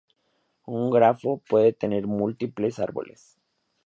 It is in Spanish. Un grafo puede tener múltiples árboles.